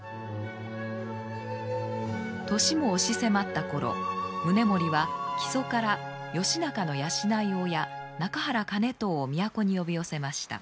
年も押し迫った頃宗盛は木曽から義仲の養い親中原兼遠を都に呼び寄せました。